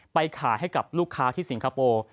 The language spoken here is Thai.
ไปขายให้กับลูกค้าที่สิงคโปร์